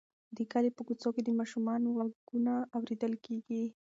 د کلي په کوڅو کې د ماشومانو غږونه اورېدل کېږي.